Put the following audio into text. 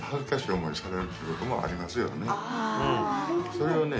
それをね